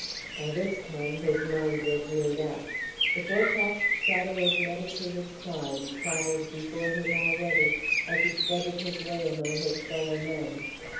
By this time his mind was made up. The forecast shadow of meditated crime traveled before him already, as he threaded his way among his fellow men.